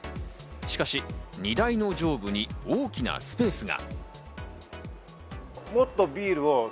しかし荷台の上部に大きなスペースが。